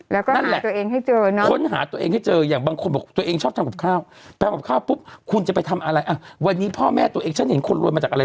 แล้วก็ว่าหาตัวเองให้เจอนั้น